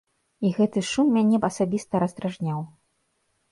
І гэты шум мяне б асабіста раздражняў.